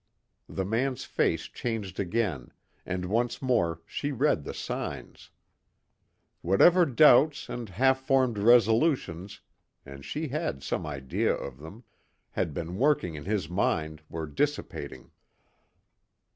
The man's face changed again, and once more she read the signs. Whatever doubts and half formed resolutions and she had some idea of them had been working in his mind were dissipating.